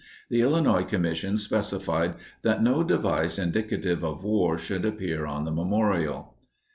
The Illinois Commission specified that no device indicative of war should appear on the memorial.